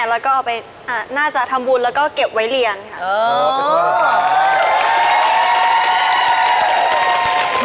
แล้วก็เอาไปน่าจะทำบุญแล้วก็เก็บไว้เรียนค่ะ